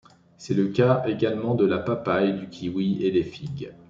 C'est le cas également de la papaye, du kiwi et des figues.